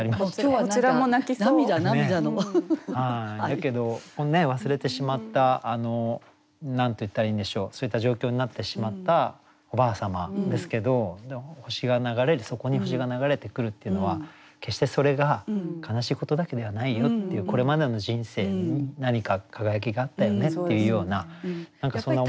だけど忘れてしまった何と言ったらいいんでしょうそういった状況になってしまったおばあ様ですけど星が流れるそこに星が流れてくるっていうのは決してそれが悲しいことだけではないよっていうこれまでの人生に何か輝きがあったよねっていうような。